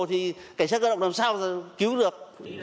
thì cảnh sát cơ động làm sao cứu được